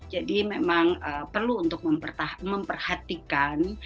jadi memang perlu untuk memperhatikan